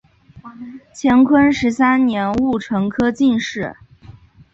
乾隆十三年戊辰科进士。